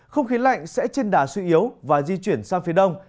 không khí lạnh sẽ trên đà suy yếu và di chuyển sang phía đông